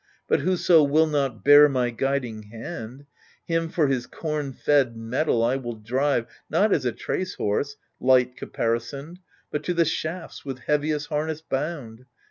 But whoso will not bear my guiding hand, Him for his corn fed mettle I will drive Not as a trace horse, light caparisoned, But to the shafts with heaviest harness bound.